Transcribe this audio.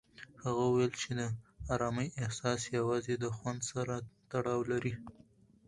هغه وویل چې د ارامۍ احساس یوازې د خوند سره تړاو لري.